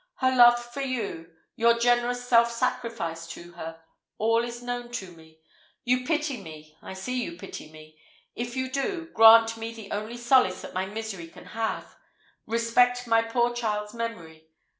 Her love for you your generous self sacrifice to her all is known to me. You pity me I see you pity me. If you do, grant me the only solace that my misery can have respect my poor child's memory!